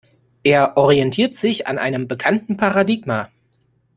Er orientiert sich an einem bekannten Paradigma.